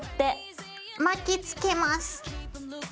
巻きつけます。